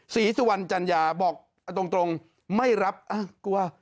ศรีสุวรรณจัญญาบอกตรงไม่รับอ้าวกลัว